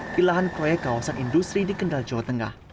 pilihan proyek kawasan industri di kendal jawa tengah